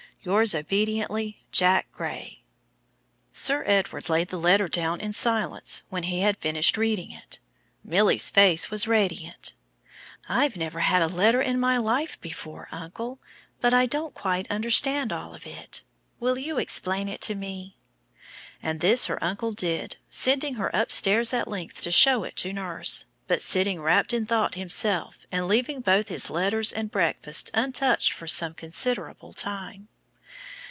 "Yours obediently, "JACK GRAY." Sir Edward laid the letter down in silence when he had finished reading it. Milly's face was radiant. "I've never had a letter in my life before, uncle, but I don't quite understand all of it. Will you explain it to me?" And this her uncle did, sending her upstairs at length to show it to nurse, but sitting wrapped in thought himself and leaving both his letters and breakfast untouched for some considerable time.